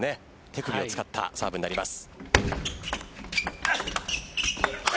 手首を使ったサーブになります。